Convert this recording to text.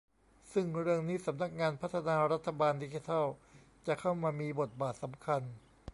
ซึ่งเรื่องนี้สำนักงานพัฒนารัฐบาลดิจิทัลจะเข้ามามีบทบาทสำคัญ